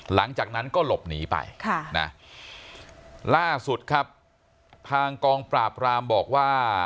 หลังจากนั้นก็หลบหนีไปค่ะนะล่าสุดครับทางกองปราบรามบอกว่า